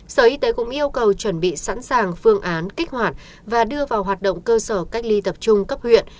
sở y tế cũng yêu cầu chuẩn bị sẵn sàng phương án kích hoạt và đưa vào hoạt động cơ sở cách ly tập trung cấp huyện